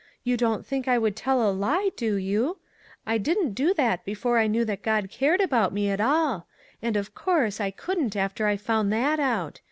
You don't think I would tell a lie, do you ? I didn't do that before I knew that God cared about me at all; and, of course, I couldn't after I found that out.